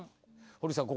堀口さん